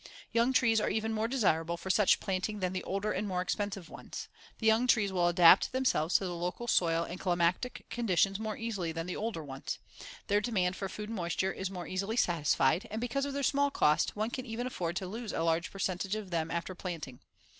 Young trees are even more desirable for such planting than the older and more expensive ones. The young trees will adapt themselves to the local soil and climatic conditions more easily than the older ones. Their demand for food and moisture is more easily satisfied, and because of their small cost, one can even afford to lose a large percentage of them after planting.